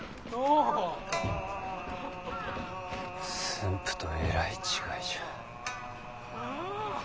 駿府とえらい違いじゃ。